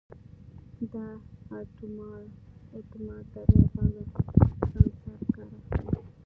دا اتومات دروازه له سنسر کار اخلي.